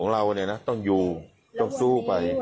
เราต้องอยู่ต้องสู้ไป